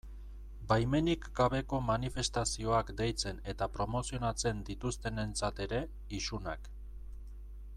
Baimenik gabeko manifestazioak deitzen eta promozionatzen dituztenentzat ere, isunak.